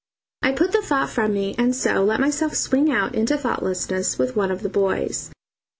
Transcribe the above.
I put the thought from me, and so let myself swing out into thoughtlessness with one of the boys.